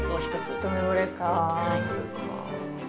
一目ぼれか。